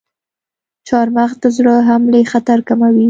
چارمغز د زړه حملې خطر کموي.